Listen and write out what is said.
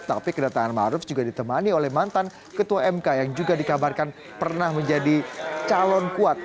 tahan maruf juga ditemani oleh mantan ketua mk yang juga dikabarkan pernah menjadi calon kuat